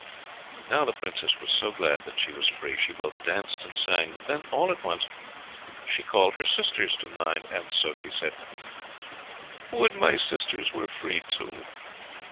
Now the Princess was so glad that she was free, she both danced and sang, but then all at once she called her sisters to mind, and so she said: "Would my sisters were free too!"